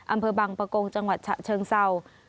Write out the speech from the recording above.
อำเภอบังปะโกงจังหวัดฉะเชิงเศร้า